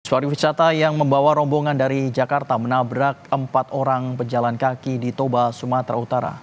cari wisata yang membawa rombongan dari jakarta menabrak empat orang pejalan kaki di toba sumatera utara